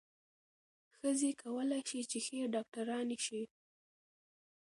ښځې کولای شي چې ښې ډاکټرانې شي.